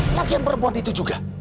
lagian perempuan itu juga